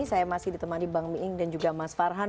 saya masih ditemani bang miing dan juga mas farhan